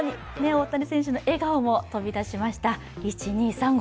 大谷選手も笑顔が飛び出しました。